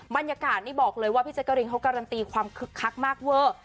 บรรยากาศพี่เจ็ดการีนเขาการันตีความคึกคักเวอร์